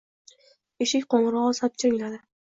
Eshik qo‘ng‘irog‘I zap jiringladi.